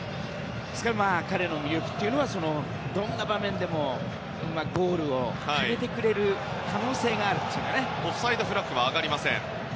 彼の魅力というのはどんな場面でもゴールを決めてくれる可能性があるところですね。